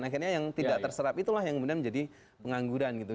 akhirnya yang tidak terserap itulah yang kemudian menjadi pengangguran gitu